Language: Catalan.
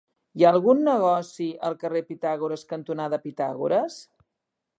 Hi ha algun negoci al carrer Pitàgores cantonada Pitàgores?